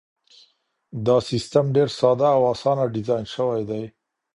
دا سیستم ډېر ساده او اسانه ډیزاین سوی دی.